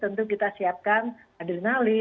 tentu kita siapkan adrenalin kortikosteroid dan lain lainnya